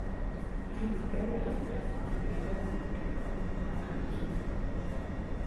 “Ai biết đâu đấy” là một câu nói trống không, có ẩn ý